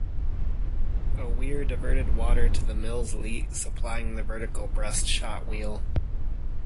A weir diverted water to the mill's leat, supplying the vertical breast-shot wheel.